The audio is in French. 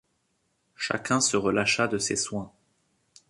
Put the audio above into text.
Chacun se relâcha de ses soins.